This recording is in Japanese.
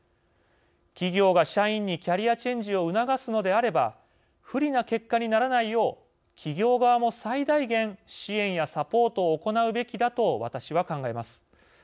企業が社員にキャリアチェンジを促すのであれば不利な結果にならないよう企業側も最大限支援やサポートを行うべきだと私は考えます。